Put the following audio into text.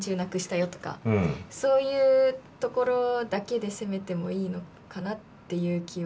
そういうところだけで攻めてもいいのかなっていう気は。